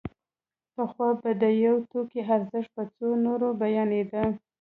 پخوا به د یو توکي ارزښت په څو نورو بیانېده